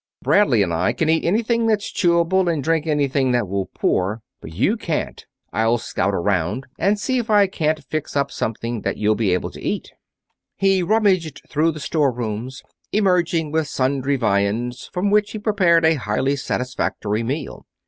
Bradley and I can eat anything that's chewable, and drink anything that will pour, but you can't. I'll scout around and see if I can't fix up something that you'll be able to eat." He rummaged through the store rooms, emerging with sundry viands from which he prepared a highly satisfactory meal.